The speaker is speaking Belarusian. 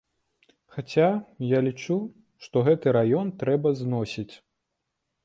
Хаця, я лічу, што гэты раён трэба зносіць.